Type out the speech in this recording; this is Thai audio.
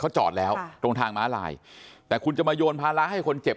เขาจอดแล้วตรงทางม้าลายแต่คุณจะมาโยนภาระให้คนเจ็บ